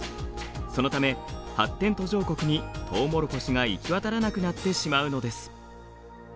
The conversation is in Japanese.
そのため発展途上国にトウモロコシが行き渡らなくなってしまうのです。